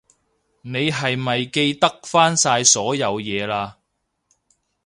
你係咪記得返晒所有嘢喇？